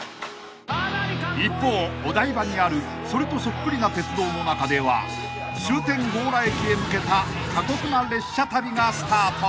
［一方お台場にあるそれとそっくりな鉄道の中では終点強羅駅へ向けた過酷な列車旅がスタート］